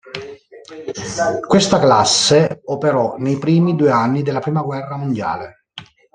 Questa classe operò nei primi due anni della prima guerra mondiale.